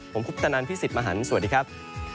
ผมคุปตนันพี่สิทธิ์มหันฯสวัสดีครับ